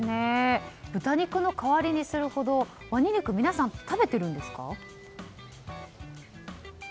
豚肉の代わりにするほどワニ肉を皆さん食べてるんですか？